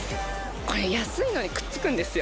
これ安いのにくっつくんですよ。